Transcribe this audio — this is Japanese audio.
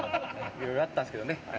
いろいろあったんですけどね